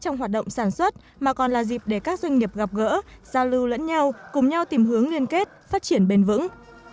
trong hoạt động sản xuất mà còn là dịp để các doanh nghiệp gặp gỡ giao lưu lẫn nhau cùng nhau tìm hướng liên kết phát triển bền vững